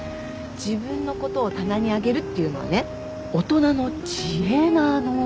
自分のことを棚に上げるっていうのはね大人の知恵なの。